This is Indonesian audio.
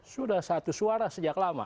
sudah satu suara sejak lama